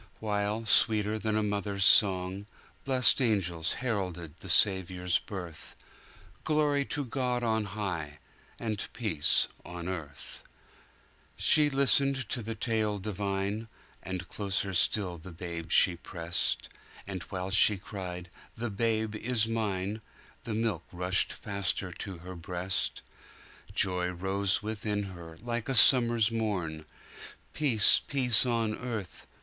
While, sweeter than a mother's song, Blest angels heralded the Saviour's birth, Glory to God on high! And peace on earth. She listened to the tale divine, And closer still the Babe she pressed:And while she cried, The Babe is mine! The milk rushed faster to her breast:Joy rose within her, like a summer's morn; Peace, peace on earth!